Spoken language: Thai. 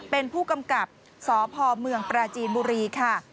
เป็นผู้กำกับสพเมืองปราจีนบุรีค่ะ